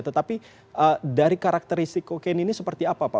tetapi dari karakteristik kokain ini seperti apa pak